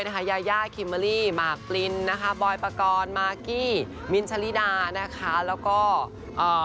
คุณแม่เพื่อนทะเลาะกับเพื่อนในกลุ่มอย่างเงี้ยถ้าเราเป็นหนึ่งในสมาชิกกลุ่มแล้วก็รู้สึกมองหน้ากันไม่ติดเหมือนกันนะเอ๊ะถ้าเราไปคุยกับฝั่งนี้จะกลายเป็นข้าวข้างฝั่งกันนะครับ